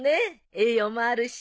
栄養もあるし。